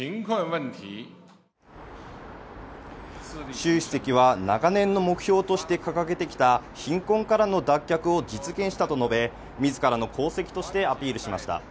シュウ主席は長年の目標として掲げてきた貧困からの脱却を実現したと述べ、自らの功績としてアピールしました。